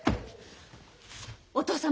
お義父様。